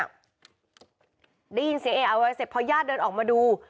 ได้ยินเสียงเอเอาไว้เสร็จพอญาติเดินออกมาดู